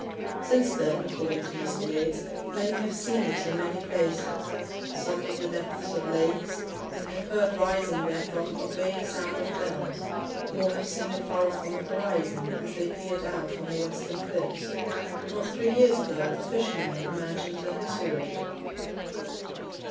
Since then, according to Mr. Yeats, 'many have seen it in many places; some in the depths of lakes, and have heard rising therefrom a vague sound of bells; more have seen it far off on the horizon, as they peered out from the western cliffs. Not three years ago a fisherman imagined that he saw it.'